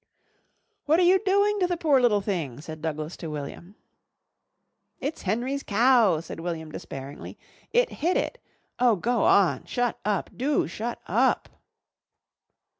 "What are you doing to the poor little thing?" said Douglas to William. "It's Henry's cow," said William despairingly. "It hit it. Oh, go on, shut up! Do shut up."